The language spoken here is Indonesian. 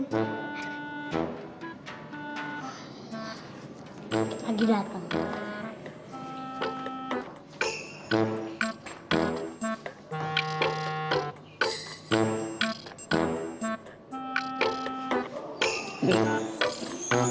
maka kita akan terus ke premi yang sebenarnya ini